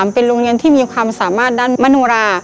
เป็นโรงเรียนที่มีความสามารถด้านมโนรา